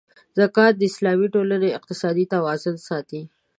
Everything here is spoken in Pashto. زکات د اسلامي ټولنې اقتصادي توازن ساتي.